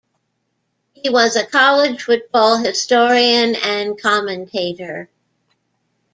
He was a college football historian and commentator.